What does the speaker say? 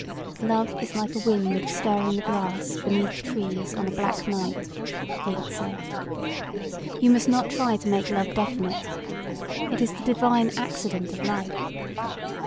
"Love is like a wind stirring the grass beneath trees on a black night," he had said. "You must not try to make love definite. It is the divine accident of life.